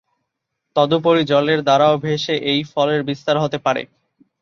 তদুপরি জলের দ্বারাও ভেসে এই ফলের বিস্তার হতে পারে।